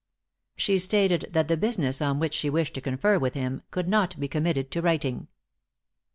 She stated that the business on which she wished to confer with him could not be committed to writing.